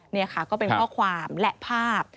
นี่ค่ะก็เป็นข้อความและภาพ